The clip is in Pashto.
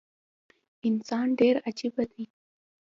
انسان ډیر عجیبه دي